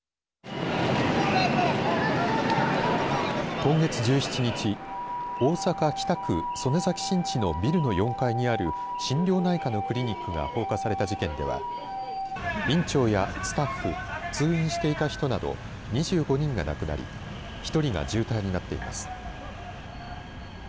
今月１７日大阪、北区曽根崎新地のビルの４階にある心療内科のクリニックが放火された事件では院長やスタッフ通院していた人など２５人が亡くなり１人が重体になっています。